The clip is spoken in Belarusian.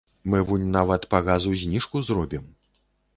Мы вунь нават па газу зніжку зробім.